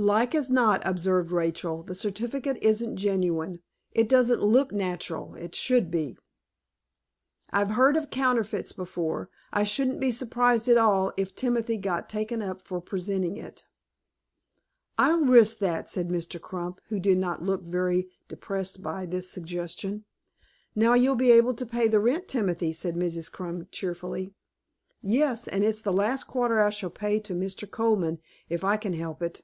"Like as not," observed Rachel, "the certificate isn't genuine. It doesn't look natural it should be. I've heard of counterfeits before. I shouldn't be surprised at all if Timothy got taken up for presenting it." "I'll risk that," said Mr. Crump, who did not look very much depressed by this suggestion. "Now you'll be able to pay the rent, Timothy," said Mrs. Crump, cheerfully. "Yes; and it's the last quarter I shall pay to Mr. Colman, if I can help it."